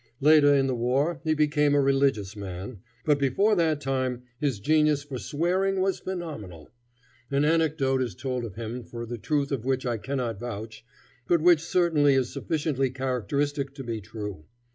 Later in the war he became a religious man, but before that time his genius for swearing was phenomenal. An anecdote is told of him, for the truth of which I cannot vouch, but which certainly is sufficiently characteristic to be true.